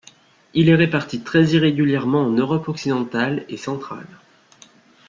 Il est réparti très irrégulièrement en Europe occidentale et centrale.